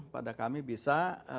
pada kami bisa